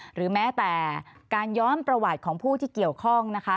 หรือแม้แต่การย้อนประวัติของผู้ที่เกี่ยวข้องนะคะ